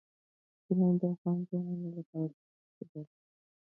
کوچیان د افغان ځوانانو لپاره دلچسپي لري.